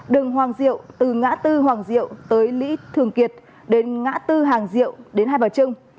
đường hoàng diệu từ ngã tư hoàng diệu tới lý thường kiệt đến ngã tư hàng diệu đến hai bà trưng